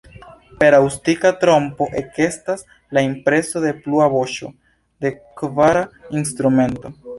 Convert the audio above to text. Per akustika trompo ekestas la impreso de plua voĉo, de kvara instrumento.